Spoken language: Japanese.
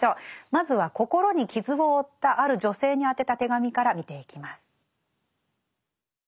まずは心に傷を負ったある女性に宛てた手紙から見ていきます。